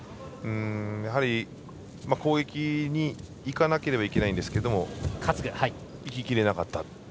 やはり攻撃にいかなければいけないんですけどもいききれなかった。